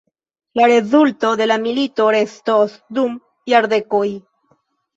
La rezulto de la milito restos dum jardekoj.